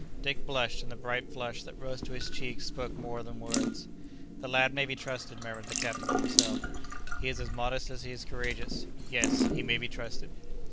Dick blushed, and the bright flush that rose to his cheeks spoke more than words. "The lad may be trusted," murmured the captain to himself; "he is as modest as he is courageous. Yes; he may be trusted."